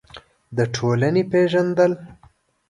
د ټولنې پېژندل: